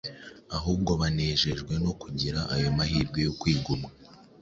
ahubwo banezejwe no kugira ayo mahirwe yo kwigomwa